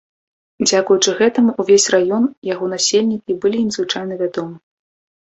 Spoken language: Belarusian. Дзякуючы гэтаму ўвесь раён, яго насельнікі былі ім звычайна вядомы.